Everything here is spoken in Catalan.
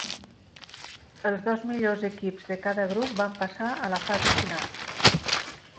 Els dos millors equips de cada grup van passar a la fase final.